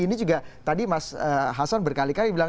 ini juga tadi mas hasan berkali kali bilang